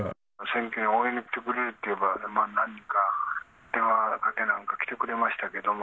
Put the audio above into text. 選挙応援に来てくれと言えば、何人か電話かけなんか来てくれましたけど。